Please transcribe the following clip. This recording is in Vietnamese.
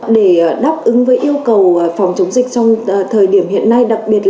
để đáp ứng với yêu cầu phòng chống dịch trong thời điểm hiện nay